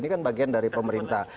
ini kan bagian dari pemerintah